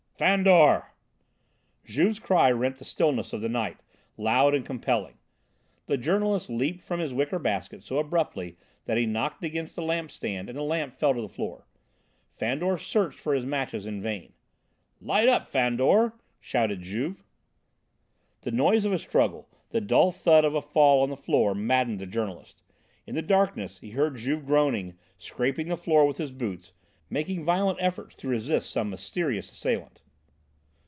"Fandor!" Juve's cry rent the stillness of the night, loud and compelling. The journalist leaped from his wicker basket so abruptly that he knocked against the lamp stand and the lamp fell to the floor. Fandor searched for his matches in vain. "Light up, Fandor!" shouted Juve. The noise of a struggle, the dull thud of a fall on the floor, maddened the journalist. In the darkness he heard Juve groaning, scraping the floor with his boots, making violent efforts to resist some mysterious assailant.